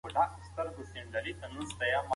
که مسواک نه وای کارول شوی نو وورۍ به کمزورې وې.